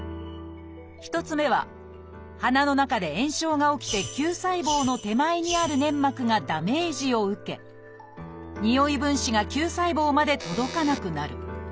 １つ目は鼻の中で炎症が起きて嗅細胞の手前にある粘膜がダメージを受けにおい分子が嗅細胞まで届かなくなる。